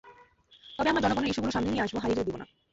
তবে আমরা জনগণের ইস্যুগুলো সামনে নিয়ে আসব, হারিয়ে যেতে দেব না।